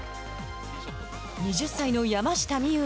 ２０歳の山下美夢